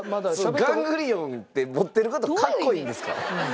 ガングリオンって持ってる方かっこいいんですか？